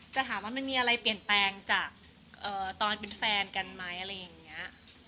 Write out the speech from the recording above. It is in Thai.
จะถามว่ามันมีอะไรเปลี่ยนแปลงจากตอนเป็นแฟนกันไหมอะไรอย่างนี้